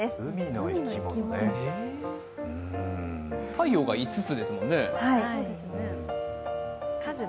太陽が５つですもんね。